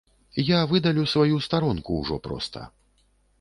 Я выдалю сваю старонку ужо проста.